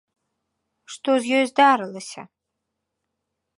Што з ёй здарылася?